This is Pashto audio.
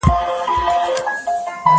زه مخکي زده کړه کړي وو؟